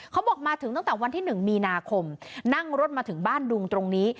เขาบอกมาถึงตั้งแต่วันที่๑มีนาคมนั่งรถมาถึงบ้านดุงตรงนี้